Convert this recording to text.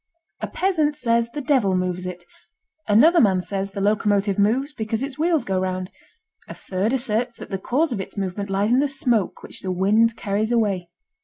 A peasant says the devil moves it. Another man says the locomotive moves because its wheels go round. A third asserts that the cause of its movement lies in the smoke which the wind carries away.